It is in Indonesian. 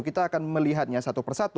kita akan melihatnya satu persatu